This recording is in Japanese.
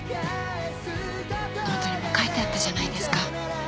ノートにも書いてあったじゃないですか。